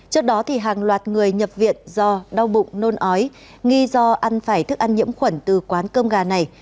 trước đó hàng loạt người nhập viện do đau bụng nôn ói nghi do ăn phải thức ăn nhiễm khuẩn từ quán cơm gà này